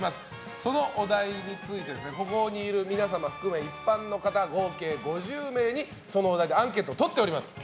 そのお題についてここにいる皆様含め一般の方、合計５０名にそのお題でアンケートを取っております。